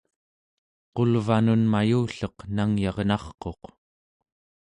qulvanun mayulleq nangyarnarquq